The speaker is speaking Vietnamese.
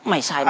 mày sai mà